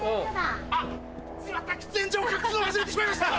あっしまった喫煙所を隠すのを忘れてしまいました！